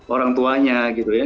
orang tuanya gitu ya